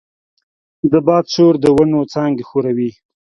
د باد شور د ونو څانګې ښوروي.